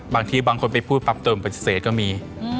บางทีบางคนไปพูดปรับตัวเป็นปฏิเสธก็มี